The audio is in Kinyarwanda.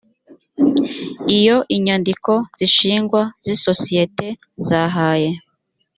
iyo inyandiko z ishingwa z isosiyete zahaye